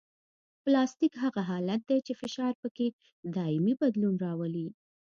پلاستیک هغه حالت دی چې فشار پکې دایمي بدلون راولي